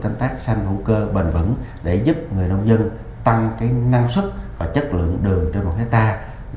canh tác xanh hữu cơ bền vững để giúp người nông dân tăng năng suất và chất lượng đường trên một hectare